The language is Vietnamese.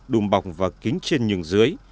đùm bọc và kính trên nhường dưới